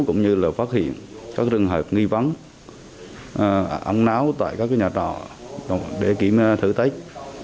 cũng như là phát hiện các trường hợp nghi vắng ống náo tại các nhà trọ để kiểm thử tách